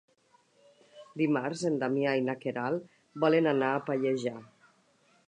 Dimarts en Damià i na Queralt volen anar a Pallejà.